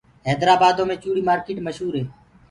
هيدرآ بآدو مي چوڙي مآرڪيٽ مشور هي۔